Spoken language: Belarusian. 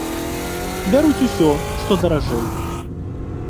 Бяруць усё, што даражэй.